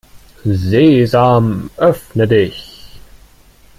Sesam, öffne dich!